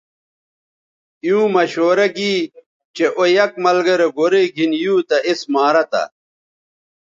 ایووں مشورہ گی چہء او یک ملگرے گورئ گِھن یُو تہ اس مارہ تھہ